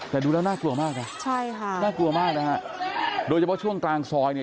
แต่ดูแล้วน่ากลัวมากนะใช่ค่ะน่ากลัวมากนะฮะโดยเฉพาะช่วงกลางซอยเนี่ย